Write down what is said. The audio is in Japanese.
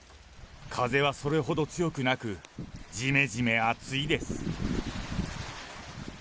風はそれほど強くなく、じめじめ暑いです。